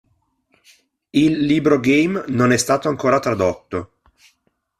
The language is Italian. Il libro game non è stato ancora tradotto.